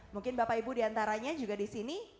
mungkin bapak ibu diantaranya juga disini